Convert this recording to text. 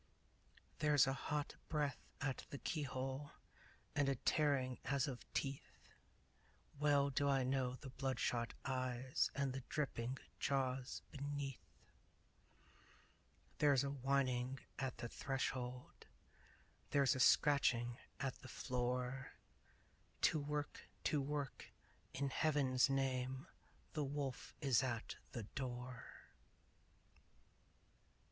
There's a hot breath at the keyhole And a tearing as of teeth! Well do I know the bloodshot eyes And the dripping jaws beneath! There's a whining at the threshold There's a scratching at the floor To work! To work! In Heaven's name! The wolf is at the door!